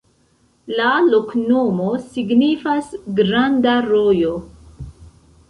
La loknomo signifas: granda rojo.